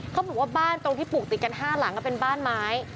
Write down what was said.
เขาบอกว่าบ้านตรงที่ปลูกติดกัน๕หลังเป็นบ้านไม้